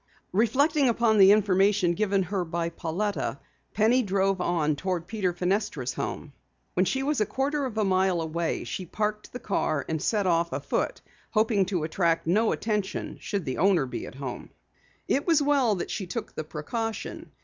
Reflecting upon the information given her by Pauletta, Penny drove on toward Peter Fenestra's home. A quarter of a mile away she parked the car, and set off afoot, hoping to attract no attention should the owner be at home. It was well that she took the precaution.